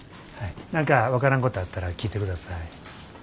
何か分からんことあったら聞いてください。